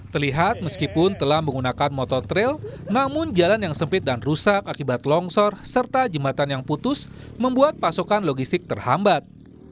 terlihat meskipun telah menggunakan motor trail namun jalan yang sempit dan rusak akibat longsor serta jembatan yang putus membuat pasokan logistik terhambat